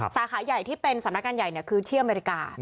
สาขาใหญ่ที่เป็นสำนักงานใหญ่คือที่อเมริกา